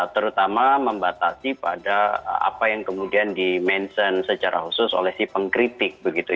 terutama membatasi pada apa yang kemudian di mention secara khusus oleh si pengkritik